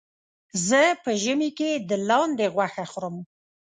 زه په ژمي کې د لاندې غوښه خورم.